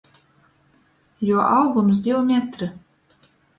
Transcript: Juo augums — div metri.